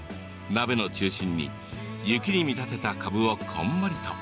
鍋の中心に雪に見立てたかぶを、こんもりと。